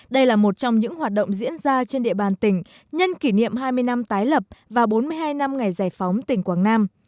đây là một trong những hoạt động diễn ra trên địa bàn tỉnh nhân kỷ niệm hai mươi năm tái lập và bốn mươi hai năm ngày giải phóng tỉnh quảng nam